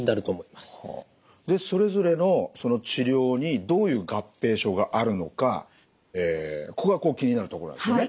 でそれぞれの治療にどういう合併症があるのかここが気になるところなんですよね。